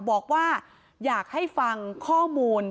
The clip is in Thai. บอกว่าอยากให้ฟังข้อมูล